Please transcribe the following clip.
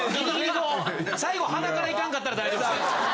最後鼻からいかんかったら大丈夫ですね。